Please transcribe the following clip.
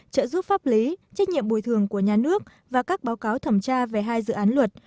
trợ giúp pháp lý trách nhiệm bồi thường của nhà nước và các báo cáo thẩm tra về hai dự án luật